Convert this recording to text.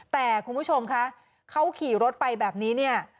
แต่คุณผู้ชมคะเขาขี่รถไปแบบนี้เนี่ย